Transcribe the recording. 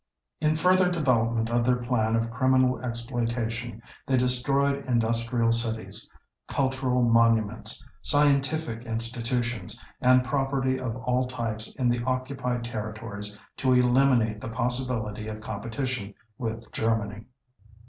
In further development of their plan of criminal exploitation, they destroyed industrial cities, cultural monuments, scientific institutions, and property of all types in the occupied territories to eliminate the possibility of competition with Germany.